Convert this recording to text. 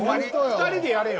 ２人でやれよ。